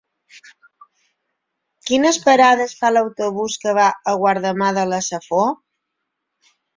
Quines parades fa l'autobús que va a Guardamar de la Safor?